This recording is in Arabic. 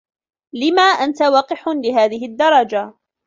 لم أنت وقح لهذه الدرجة؟